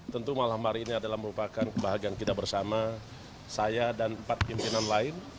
tentu malam hari ini adalah merupakan kebahagiaan kita bersama saya dan empat pimpinan lain